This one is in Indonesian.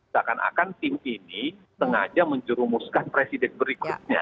takkan akan tim ini sengaja mencurumuskan presiden berikutnya